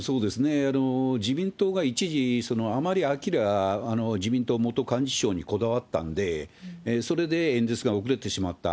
自民党が一時、甘利明自民党元幹事長にこだわったんで、それで演説が遅れてしまった。